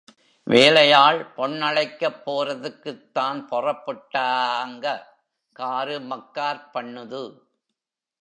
வேலை ஆள் பொண்ணழைக்கப் போரதுக்குத்தான் பொறப்புட்டாங்க, காரு மக்கார்ப்பண்ணுது.